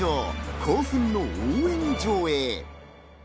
興奮の応援上映。